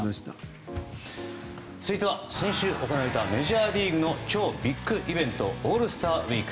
続いては先週行われたメジャーリーグの超ビッグイベントオールスターウィーク。